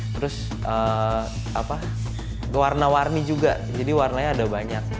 terus warna warni juga jadi warnanya ada banyak